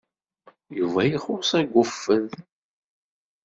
Yuba ixuṣṣ agguffed.